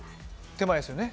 手前ですね。